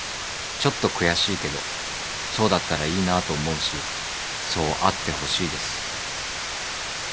ちょっと悔しいけどそうだったらいいなぁと思うしそうあってほしいです。